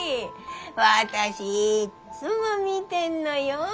私いっつも見てんのよ。